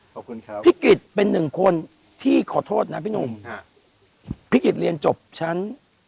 ขอบคุณครับพี่กริจเป็นหนึ่งคนที่ขอโทษนะพี่หนุ่มฮะพี่กิจเรียนจบชั้น